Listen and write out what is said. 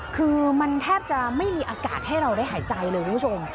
คือมันแทบจะไม่มีอากาศให้เราได้หายใจเลยคุณผู้ชม